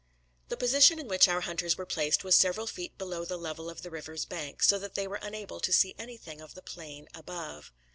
The position in which our hunters were placed was several feet below the level of the river's bank, so that they were unable to see anything of the plain above.